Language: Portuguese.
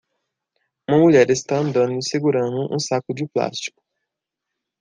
Uma mulher está andando e segurando um saco de plástico.